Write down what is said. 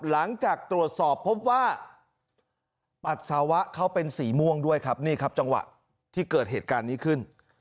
หลังจากตรวจสอบพบว่าปัสสาวะเขาเป็นสีม่วงด้วยครับนี่ครับจังหวะที่เกิดเหตุการณ์นี้ขึ้น